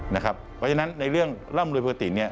เพราะฉะนั้นในเรื่องร่ำรวยปกติ